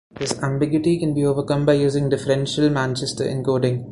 This ambiguity can be overcome by using differential Manchester encoding.